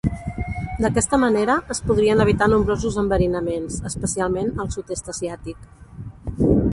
D'aquesta manera, es podrien evitar nombrosos enverinaments, especialment al sud-est asiàtic.